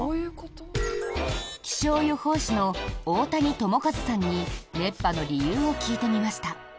気象予報士の太谷智一さんに熱波の理由を聞いてみました。